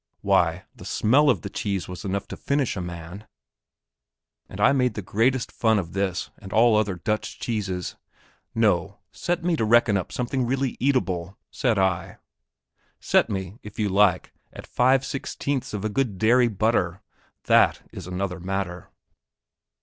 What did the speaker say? Why, the smell of the cheese was enough to finish a man; ... and I made the greatest fun of this and all other Dutch cheeses.... No; set me to reckon up something really eatable, said I set me, if you like, at five sixteenths of good dairy butter. That is another matter.